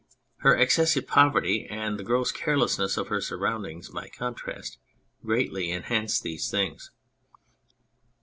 Her excessive poverty and the gross carelessness of her surroundings, by contrast greatly enhanced these things.